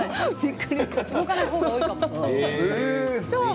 動かない方が多いかも。